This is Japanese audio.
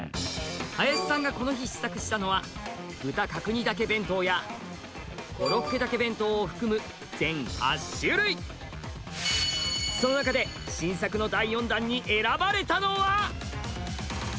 林さんがこの日試作したのは豚角煮だけ弁当やコロッケだけ弁当を含む全８種類その中で新作の第４弾に選ばれたのは？